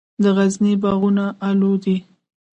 د غزني باغونه الو دي